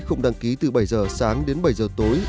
không đăng ký từ bảy h sáng đến bảy h tối